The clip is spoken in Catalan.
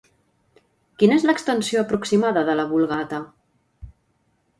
Quina és l'extensió aproximada de la Vulgata?